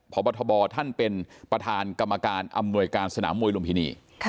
พบทบท่านเป็นประธานกรรมการอำนวยการสนามมวยลุมพินี